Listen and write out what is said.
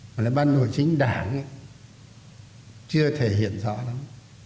chức năng của ban nội chính đảng chưa thể hiện rõ lắm